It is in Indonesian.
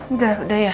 udah udah ya